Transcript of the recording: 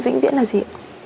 vĩnh viễn là gì